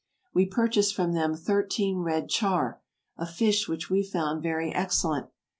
We purchased from them thirteen red charr, a fish which we found very excellent.